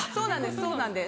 そうなんです。